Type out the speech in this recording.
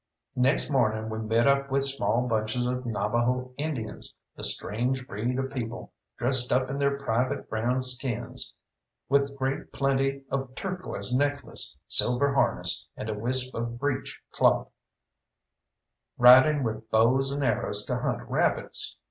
Next morning we met up with small bunches of Navajo Indians, a strange breed of people, dressed up in their private brown skins, with great plenty of turquoise necklace, silver harness, and a wisp of breech clout, riding with bows and arrows to hunt rabbits.